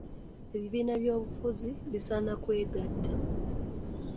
Ebibiina by’ebyobufuzi bisaana kwegatta.